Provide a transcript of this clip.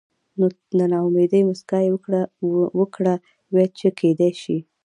نو د نا امېدۍ مسکا يې وکړه وې چې کېدے شي